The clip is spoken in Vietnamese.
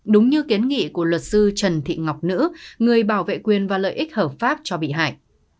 đúng như kiến nghị của luật sư trần thị ngọc nữ người bảo vệ quyền và lợi ích hợp pháp cho bị hại